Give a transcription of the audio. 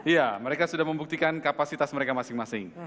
ya mereka sudah membuktikan kapasitas mereka masing masing